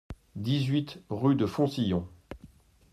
dix-huit rue de Foncillon